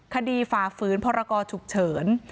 คดีฝ่าฝืนพรกชุกเฉิน